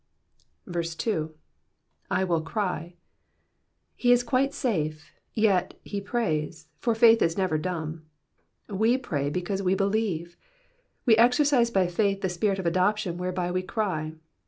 2. / wiU ery,'*^ He is quite safe, but yet he prays, for faith is never dumb. We pray because we believe. We exercise by faith the spirit of adoption whereby we cry.